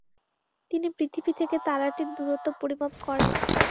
তিনি পৃথিবী থেকে তারাটির দূরত্ব পরিমাপ করেন।